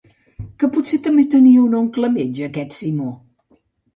Que potser també tenia un oncle metge, aquest Simó?